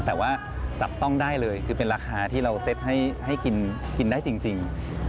แต่ว่าจับต้องได้เลยคือเป็นราคาที่เราเซ็ตให้กินได้จริง